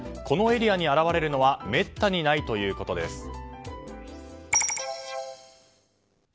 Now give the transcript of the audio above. このエリアに現れるのはめったにないということです。